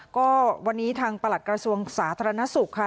ก็วันนี้ทางประหลัดกระทรวงสาธารณสุขค่ะ